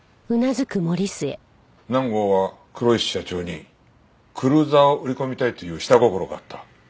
南郷は黒石社長にクルーザーを売り込みたいという下心があった。